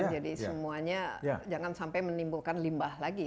jadi semuanya jangan sampai menimbulkan limbah lagi